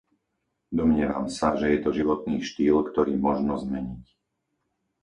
Domnievam sa, že je to životný štýl, ktorý možno zmeniť.